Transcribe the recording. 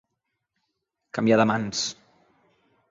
Canviar de mans.